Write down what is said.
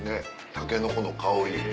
タケノコの香り。